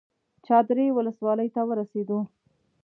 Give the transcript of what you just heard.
چادرې ولسوالۍ ته ورسېدو.